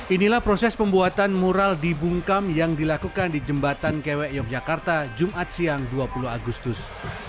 inilah proses pembuatan mural di bungkam yang dilakukan di jembatan kewek yogyakarta jumat siang dua puluh agustus